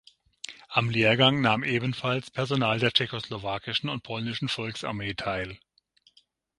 Am Lehrgang nahm ebenfalls Personal der Tschechoslowakischen und Polnischen Volksarmee teil.